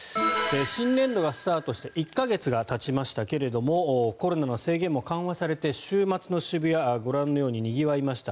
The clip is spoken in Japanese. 新年度がスタートして１か月がたちましたけどもコロナの制限も緩和されて週末の渋谷ご覧のように、にぎわいました。